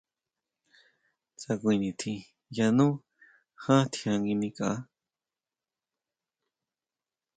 Tsá kui nitjín yanú jan tjián nguinikʼa.